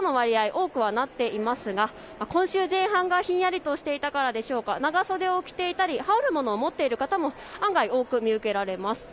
多くはなっていますが今週前半がひんやりとしていたからでしょうか、長袖を着ていたり羽織るものを持っている方も案外多く見受けられます。